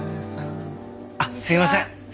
あっすいません。